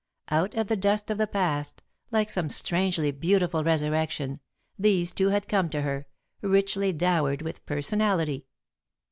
Out of the dust of the past, like some strangely beautiful resurrection, these two had come to her, richly dowered with personality.